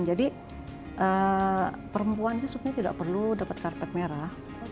jadi perempuannya sebenarnya tidak perlu dapat kartu merah